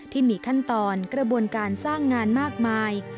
ที่มีขั้นตอนกระบวนการสร้างงานมากมาย